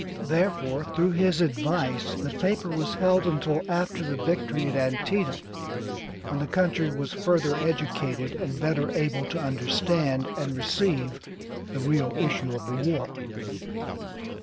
Therefore, through his advice the paper was held until after the victory at Antietam, when the country was further educated and better able to understand and receive the real issue of the war.